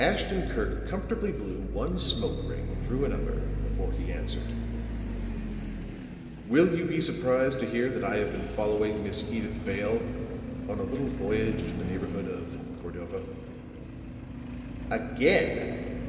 Ashton Kirk comfortably blew one smoke ring through another before he answered. "Will you be surprised to hear that I have been following Miss Edyth Vale on a little voyage to the neighborhood of Cordova?" "Again!"